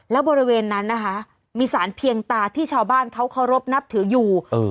แล้วบริเวณนั้นนะคะมีสารเพียงตาที่ชาวบ้านเขาเคารพนับถืออยู่